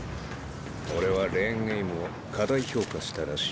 俺はレーン・エイムを過大評価したらしい。